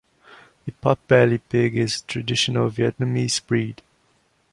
The pot-bellied pig is a traditional Vietnamese breed.